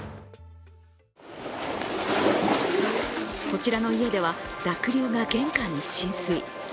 こちらの家では濁流が玄関に浸水。